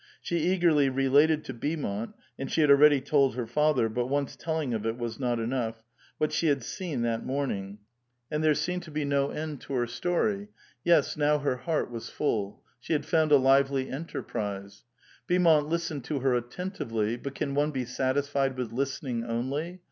She eagerly related to Beaumont — and she had already told her father, but once telling of it was not enough — what she had seen that morning, and there A VITAL QUESTION. 429 seemed to be no end to her story ; .yes, now her beart waa full. She had found a lively enterprise. Beaumont listened to her attentively ; but can one l>e satisfied with listening only?